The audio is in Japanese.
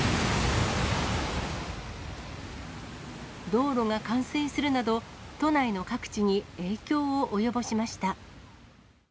道路が冠水するなど、都内の各地に影響を及ぼしました。